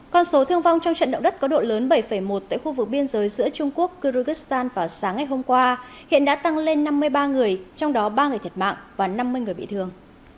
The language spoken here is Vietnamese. con số thương vong trong trận động đất có độ lớn bảy một tại khu vực biên giới giữa trung quốc kyrgyzstan vào sáng ngày hôm qua hiện đã tăng lên năm mươi ba người trong đó ba người thiệt mạng và năm mươi người bị thương